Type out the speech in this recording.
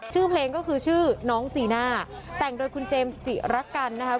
ชื่อเพลงก็คือชื่อน้องจีน่าแต่งโดยคุณเจมส์จิรักกันนะครับ